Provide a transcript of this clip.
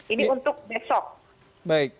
ini untuk besok